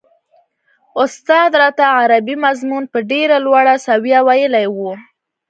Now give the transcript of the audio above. استاد راته عربي مضمون په ډېره لوړه سويه ويلی و.